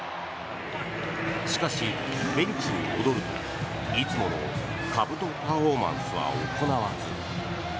しかしベンチに戻るといつものかぶとパフォーマンスは行わず。